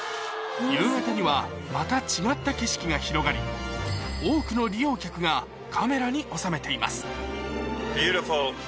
夕方にはまた違った景色が広がり多くの利用客がカメラに収めています